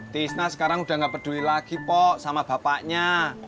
tisna sekarang udah nggak peduli lagi po sama bapaknya